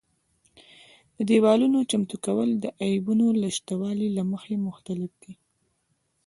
د دېوالونو چمتو کول د عیبونو له شتوالي له مخې مختلف دي.